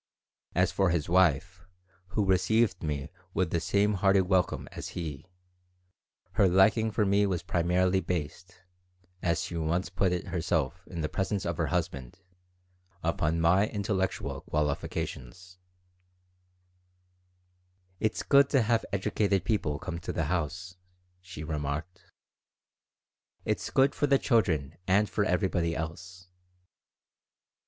As for his wife, who received me with the same hearty welcome as he, her liking for me was primarily based, as she once put it herself in the presence of her husband, upon my intellectual qualifications "It's good to have educated people come to the house," she remarked. "It's good for the children and for everybody else."